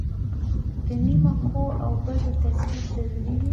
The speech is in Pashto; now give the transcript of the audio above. د نیمه ښو او بدو تصویر ضروري وي.